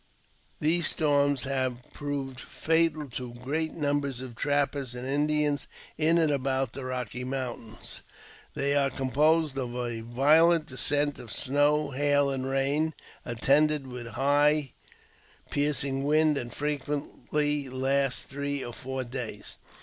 These storms have proved fatal to great numbers o: trappers and Indians in and about the Rocky Mountains They are composed of a violent descent of snow, hail, and rain, attended with high and piercing wind, and frequently last three or four days.